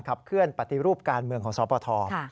ขับเคลื่อนปฏิรูปการเมืองของสปท